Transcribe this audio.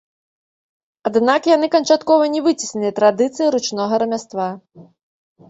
Аднак яны канчаткова не выцеснілі традыцыі ручнога рамяства.